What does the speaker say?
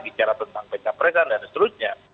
bicara tentang pecah presen dan seterusnya